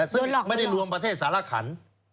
ซึ่งไม่ได้รวมประเทศสารขัน